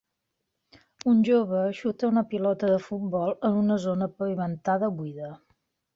Un jove xuta una pilota de futbol en una zona pavimentada buida.